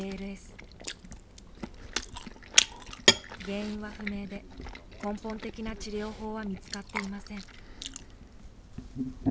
原因は不明で根本的な治療法は見つかっていません。